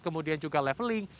kemudian juga leveling